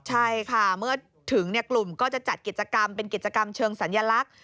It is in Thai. ใช่ค่ะเมื่อถึงกลุ่มก็จะจัดกิจกรรมเป็นกิจกรรมเชิงสัญลักษณ์